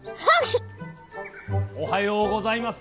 おはようございます。